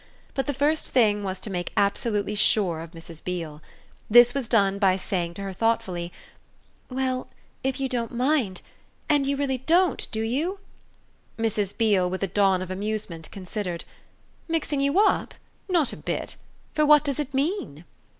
But the first thing was to make absolutely sure of Mrs. Beale. This was done by saying to her thoughtfully: "Well, if you don't mind and you really don't, do you?" Mrs. Beale, with a dawn of amusement, considered. "Mixing you up? Not a bit. For what does it mean?"